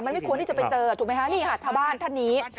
มันไม่ควรที่จะไปเจอถูกไหมคะนี่ค่ะชาวบ้านท่านนี้